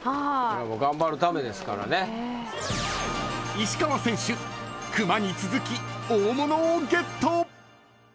［石川選手熊に続き大物をゲット！］